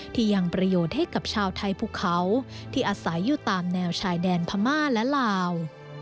ที่ยังประโยชน์ให้กับชาวไทยภูเขาที่อาศัยอยู่ตามแนวชายแดนพม่าและลาว